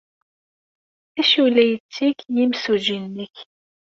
D acu ay la yetteg yimsujji-nnek?